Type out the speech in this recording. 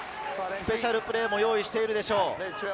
スペシャルプレーも用意しているでしょう。